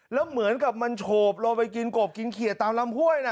แล้วเหมือนกับมันโฉบลงไปกินกบกินเขียตามลำห้วยนะ